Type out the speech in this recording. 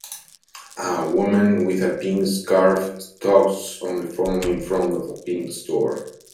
A woman with a pink scarf talks on the phone in front of a Pink store.